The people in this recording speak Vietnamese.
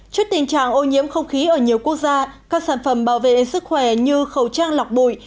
trước tình trạng ô nhiễm không khí ở nhiều quốc gia các sản phẩm bảo vệ sức khỏe như khẩu trang lọc bụi